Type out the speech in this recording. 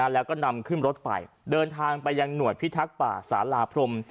แล้วก็นำขึ้นรถไปเดินทางไปยังหน่วยพิทักษ์ป่าสาราพรม